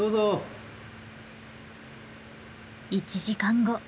１時間後。